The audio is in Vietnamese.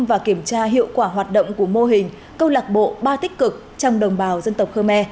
và kiểm tra hiệu quả hoạt động của mô hình câu lạc bộ ba tích cực trong đồng bào dân tộc khơ me